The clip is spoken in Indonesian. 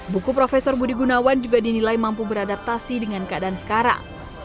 buku profesor budi gunawan juga dinilai mampu beradaptasi dengan keadaan sekarang